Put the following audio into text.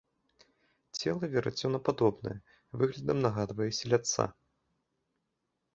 Цела верацёнападобнае, выглядам нагадвае селядца.